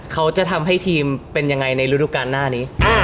เขาจะทำให้ทีมเป็นยังไงในฤดูการหน้านี้